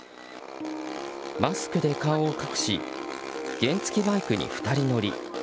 マスクで顔を隠し原付きバイクに２人乗り。